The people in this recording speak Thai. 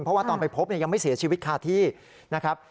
เพราะว่าตอนไปพบยังไม่เสียชีวิตคาที่นะครับ